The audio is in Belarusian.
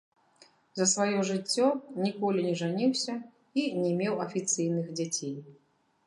За сваё жыццё ніколі не жаніўся і не меў афіцыйных дзяцей.